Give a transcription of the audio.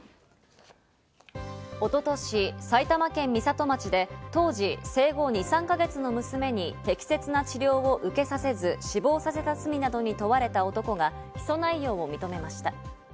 一昨年、埼玉県美里町で当時、生後２３か月の娘に適切な治療を受けさせず、死亡させた罪などに問われた男が起訴内容を認めました。